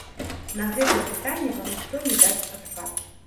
На гэтае пытанне вам ніхто не дасць адказ.